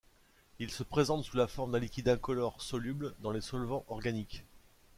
Il se présente sous la forme d'un liquide incolore soluble dans les solvants organiques.